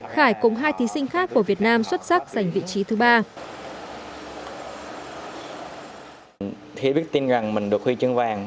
khải cùng hai thí sinh có điểm thi cao nhất